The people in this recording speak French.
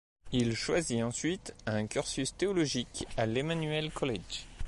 Il choisit ensuite un cursus théologique à l'Emmanuel College.